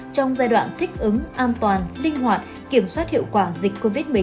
trong giai đoạn thích ứng an toàn linh hoạt kiểm soát hiệu quả dịch covid một mươi chín